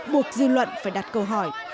buộc dư luận phải đặt câu hỏi